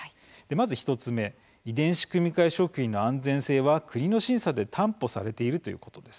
まず１つ目遺伝子組み換え食品の安全性は国の審査で担保されているということです。